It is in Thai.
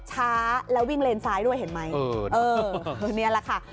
ช้าแล้ววิ่งเลนซ้ายด้วยเห็นไหมเออนี่แหละค่ะ